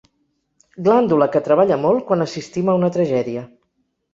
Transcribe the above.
Glàndula que treballa molt quan assistim a una tragèdia.